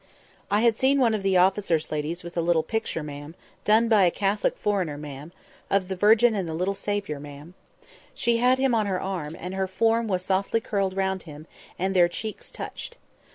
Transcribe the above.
I had seen one of the officer's ladies with a little picture, ma'am—done by a Catholic foreigner, ma'am—of the Virgin and the little Saviour, ma'am. She had him on her arm, and her form was softly curled round him, and their cheeks touched.